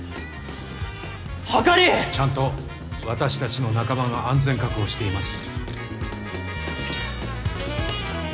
ちゃんと私たちの仲間が安全確保しています。